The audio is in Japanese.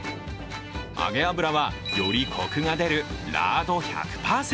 揚げ油は、よりコクが出るラード１００％。